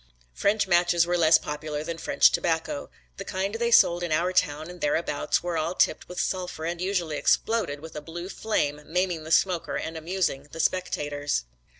French matches were less popular than French tobacco. The kind they sold in our town and thereabouts were all tipped with sulphur and usually exploded with a blue flame maiming the smoker and amusing the spectators.